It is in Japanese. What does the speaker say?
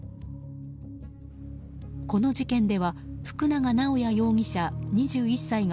この事件では、福永直也容疑者２１歳が